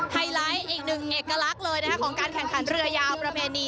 ไฮไลท์อีกหนึ่งเอกลักษณ์เลยนะคะของการแข่งขันเรือยาวประเพณี